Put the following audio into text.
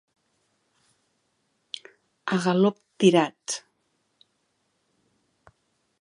A galop tirat.